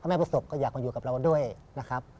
แม่ประสบก็อยากมาอยู่กับเราด้วยนะครับ